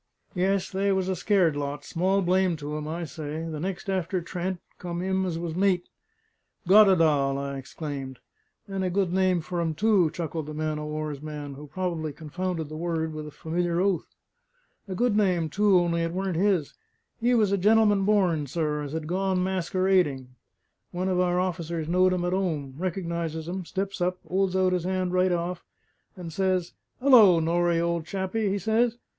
Yes, they was a scared lot, small blame to 'em, I say! The next after Trent, come him as was mate." "Goddedaal!" I exclaimed. "And a good name for him too," chuckled the man o' war's man, who probably confounded the word with a familiar oath. "A good name too; only it weren't his. He was a gen'lem'n born, sir, as had gone maskewerading. One of our officers knowed him at 'ome, reckonises him, steps up, 'olds out his 'and right off, and says he: ''Ullo, Norrie, old chappie!' he says.